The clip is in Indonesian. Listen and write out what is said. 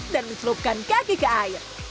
dan mencelupkan kaki ke air